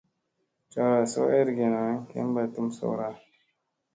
Cara soo ergena kemba tum soora.